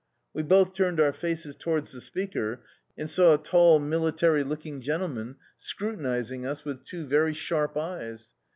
We both turned our faces towards the speaker and saw a tall military looking gentleman scrutinising us with two very sharp eyes.